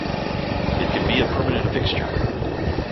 It can be a permanent fixture.